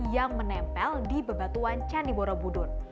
yang menempel di bebatuan candi borobudur